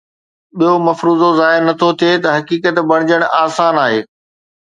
ٻيو مفروضو ظاهر نٿو ٿئي ته حقيقت بنجڻ آسان آهي